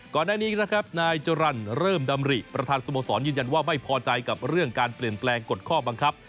ก่อนหน้านี้นะครับนายจรรย์เริ่มดำริประธานสโมสรยืนยันว่าไม่พอใจกับเรื่องการเปลี่ยนแปลงกฎข้อบังคับ